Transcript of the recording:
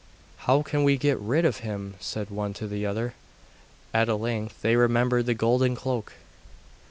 'How can we get rid of him?' said one to the other. And at length they remembered the golden cloak.